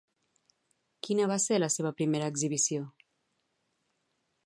Quina va ser la seva primera exhibició?